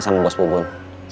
sama bos bubun